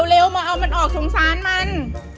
เร็วมาเอามันออกสงสารมัน